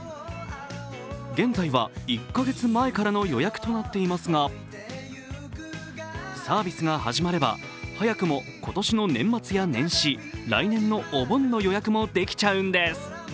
現在は１か月前からの予約となっていますが、サービスが始まれば、早くも今年の年末や年始、来年のお盆の予約もできちゃうんです。